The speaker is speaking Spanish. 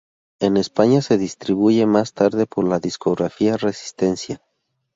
En España se distribuye más tarde por la discográfica "Resistencia".